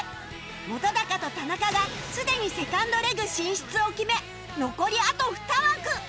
本と田仲がすでにセカンドレグ進出を決め残りあと２枠